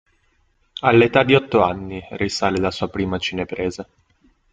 All'età di otto anni risale la sua prima cinepresa.